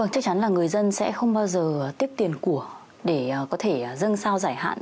chắc chắn là người dân sẽ không bao giờ tiếp tiền của để có thể dân sao giải hạn